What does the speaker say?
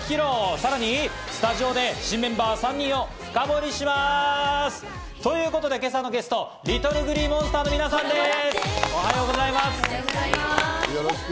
さらにスタジオで新メンバー３人を深掘りします！ということで今朝のゲスト、ＬｉｔｔｌｅＧｌｅｅＭｏｎｓｔｅｒの皆さんです、おはようございます！